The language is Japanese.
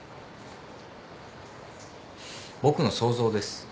僕の想像です。